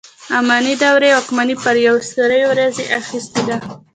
اماني دورې واکمني پر یوې سرې ورځې اخیستې ده.